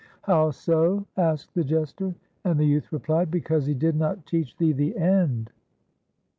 "'How so?' asked the jester. "And the youth replied, 'Because he did not teach thee the end.'"